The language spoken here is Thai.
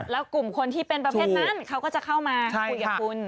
แล้วกลุ่มคนที่เป็นประเภทนั้นเขาก็จะเข้ามาคุยกับคุณ